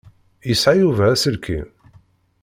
Yesɛa Yuba aselkim?